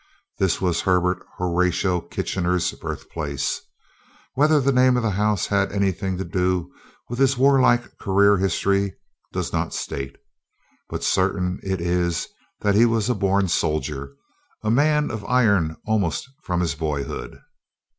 This was Herbert Horatio Kitchener's birthplace. Whether the name of the house had anything to do with his warlike career, history does not state. But certain it is, that he was a born soldier a man of iron almost from his boyhood.